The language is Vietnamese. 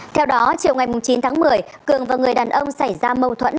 theo đó chiều ngày chín tháng một mươi cường và người đàn ông xảy ra mâu thuẫn